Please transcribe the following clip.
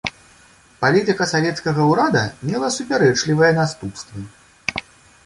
Палітыка савецкага ўрада мела супярэчлівыя наступствы.